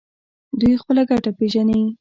دوی خپله ګټه پیژني.